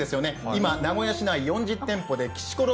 今名古屋市内４０店舗で、きしころ